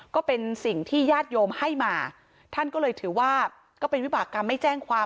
ก็เป็นสิ่งที่ญาติโยมให้มาท่านก็เลยถือว่าก็เป็นวิบากรรมไม่แจ้งความ